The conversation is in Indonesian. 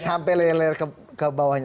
sampai leler ke bawahnya